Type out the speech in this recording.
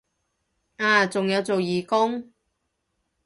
啊仲有做義工